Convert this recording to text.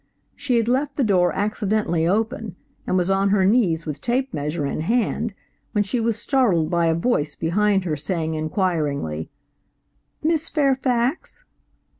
She had left the door accidentally open, and was on her knees with tape measure in hand when she was startled by a voice behind her saying inquiringly, "Miss Fairfax?"